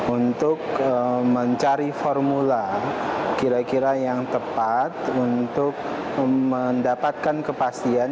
untuk mencari formula kira kira yang tepat untuk mendapatkan kepastian